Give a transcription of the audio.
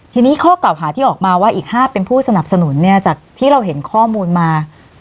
ทีนี้ข้อเก่าหาที่ออกมาว่าอีก๕เป็นผู้สนับสนุนเนี่ยจากที่เราเห็นข้อมูลมา